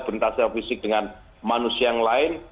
berinteraksi secara fisik dengan manusia yang lain